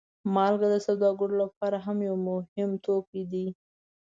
مالګه د سوداګرو لپاره هم یو مهم توکی دی.